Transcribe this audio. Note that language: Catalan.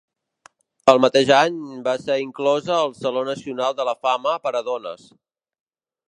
El mateix any, va ser inclosa al Saló Nacional de la Fama per a Dones.